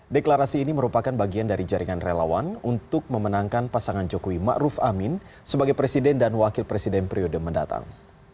deklarasi ini merupakan bagian dari jaringan relawan untuk memenangkan pasangan jokowi ⁇ maruf ⁇ amin sebagai presiden dan wakil presiden periode mendatang